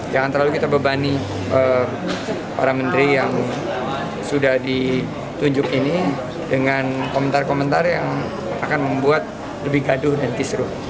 jangan terlalu kita bebani para menteri yang sudah ditunjuk ini dengan komentar komentar yang akan membuat lebih gaduh dan kisru